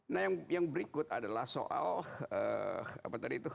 nah yang berikut adalah soal apa tadi itu